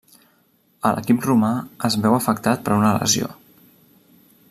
A l'equip romà es veu afectat per una lesió.